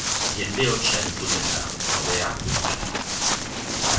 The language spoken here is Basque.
Jende-hotsa entzuten da, ordea, hurbil.